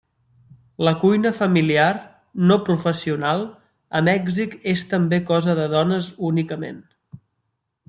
La cuina familiar, no professional, a Mèxic és també cosa de dones únicament.